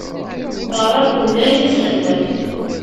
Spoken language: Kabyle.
Beṛṛa n unnar i nesserwat.